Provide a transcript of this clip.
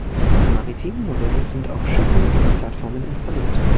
Maritime Modelle sind auf Schiffen oder Plattformen installiert.